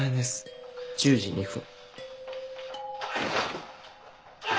１０時５分。